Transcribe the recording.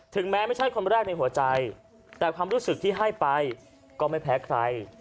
แม้ไม่ใช่คนแรกในหัวใจแต่ความรู้สึกที่ให้ไปก็ไม่แพ้ใคร